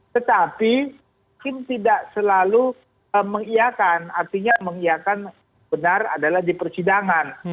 tetapi hakim tidak selalu mengiakan artinya mengiakan benar adalah di persidangan